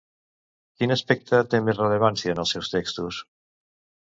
Quin aspecte té més rellevància en els seus textos?